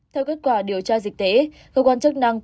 theo kết quả điều tra dịch tễ